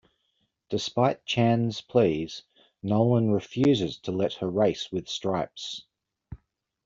Despite Chan's pleas, Nolan refuses to let her race with Stripes.